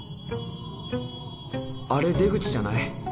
あれ出口じゃない？